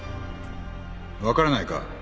分からないか？